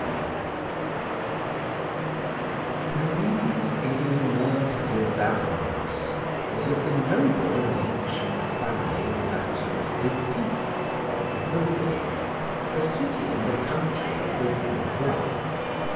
Louisa Eleanora de Warrens was of the noble and ancient family of La Tour de Pit, of Vevay, a city in the country of the Vaudois.